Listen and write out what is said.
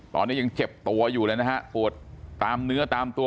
ตอนนี้ยังเจ็บตัวอยู่เลยนะฮะปวดตามเนื้อตามตัว